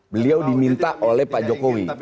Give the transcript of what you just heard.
beliau diminta oleh pak jokowi